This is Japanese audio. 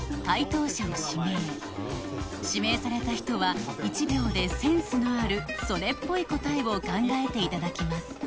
回答者を指名指名された人は１秒でセンスのあるそれっぽい答えを考えていただきます